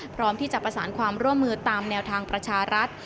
พร้อมที่จะประสานความร่วมมือตามแนวทางประชารัฐ